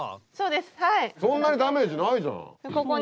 そんなにダメージないじゃん。